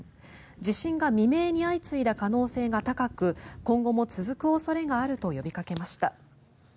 地震が未明に相次いだ可能性が高く今後も続く恐れがあると呼びかけました。